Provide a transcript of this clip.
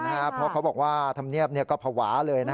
เพราะเขาบอกว่าธรรมเนียบก็ภาวะเลย